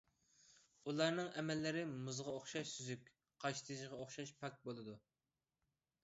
ئۇلارنىڭ ئەمەللىرى مۇزغا ئوخشاش سۈزۈك، قاشتېشىغا ئوخشاش پاك بولىدۇ.